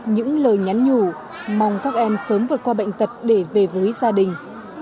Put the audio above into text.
những lời nhắn nhủ mong các em sớm vượt qua bệnh tật để về với gia đình